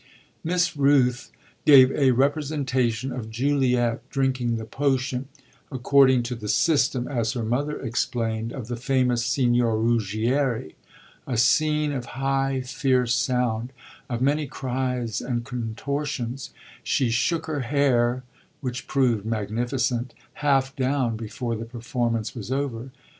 Miss Rooth gave a representation of Juliet drinking the potion, according to the system, as her mother explained, of the famous Signor Ruggieri a scene of high fierce sound, of many cries and contortions: she shook her hair (which proved magnificent) half down before the performance was over.